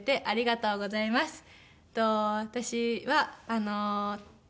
ありがとうございます。